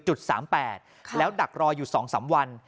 ๓๘แล้วดักรออยู่๒๓วัน